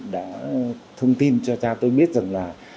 đã thông tin cho cha tôi biết rằng là